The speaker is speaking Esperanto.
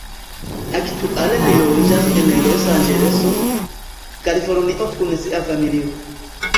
Aktuale li loĝas en Losanĝeleso, Kalifornio kun sia familio.